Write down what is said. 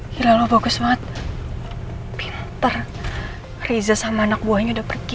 gila lu bagus banget pinter riza sama anak buahnya udah pergi